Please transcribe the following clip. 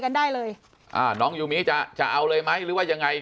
กันได้เลยอ่าน้องยูมิจะจะเอาเลยไหมหรือว่ายังไง